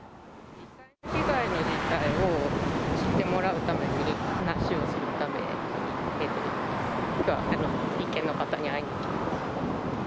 被害の実態を知ってもらうために、話をするために、立憲の方に会いに来ました。